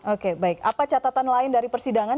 oke baik apa catatan lain dari persidangan